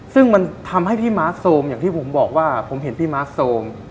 ซึ่งมันทำให้พี่ม้าโซมอย่างที่ผมบอกว่าผมเห็นพี่ม้าโซม